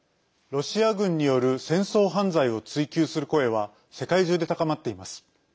ロシア軍による戦争犯罪を追及する声は世界中で高まっています。